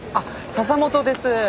笹本です。